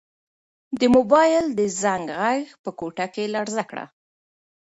د موبایل د زنګ غږ په کوټه کې لړزه کړه.